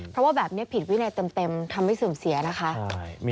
เพราะว่าแบบนี้ผิดวินัยเต็มทำให้เสื่อมเสียนะคะ